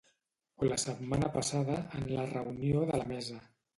O la setmana passada, en la reunió de la mesa.